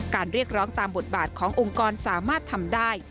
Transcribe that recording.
เรียกร้องตามบทบาทขององค์กรสามารถทำได้